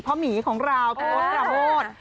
เพราะหมีของเราโอ๊ตกระโมด